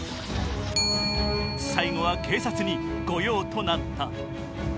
最後は警察に御用となった。